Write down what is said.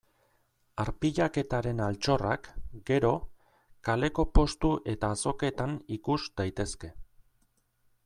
Arpilaketaren altxorrak, gero, kaleko postu eta azoketan ikus daitezke.